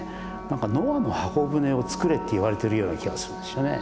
何かノアの方舟を作れって言われてるような気がするんですよね。